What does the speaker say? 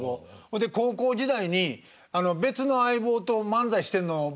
で高校時代に別の相棒と漫才してんの僕